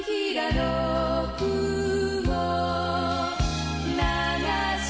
よし！